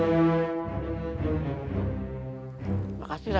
terima kasih raden